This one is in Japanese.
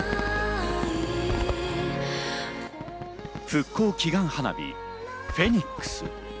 復興祈願花火・フェニックス。